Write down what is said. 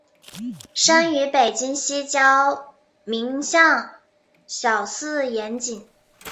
生于北京西郊民巷小四眼井。